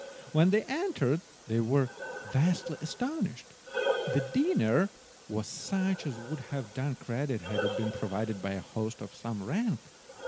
When they entered they were vastly astonished. The dinner was such as would have done credit had it been provided by a host of some rank.